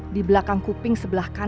di belakang kuping sebelah kanan